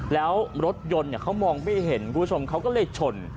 แล้วรถยนต์เขามองไม่เห็นคุณผู้ชมเขาก็เลยชน